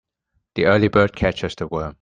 The early bird catches the worm.